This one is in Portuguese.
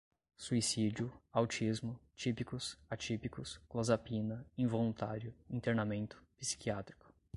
suicídio, autismo, típicos, atípicos, clozapina, involuntário, internamento, psiquiátrico